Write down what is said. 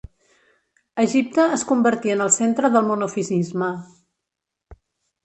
Egipte es convertí en el centre del monofisisme.